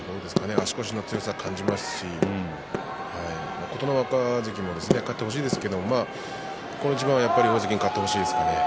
足腰の強さも感じますし琴ノ若関も勝ってほしいんですけれどこの一番はやっぱり大関に勝ってほしいですかね。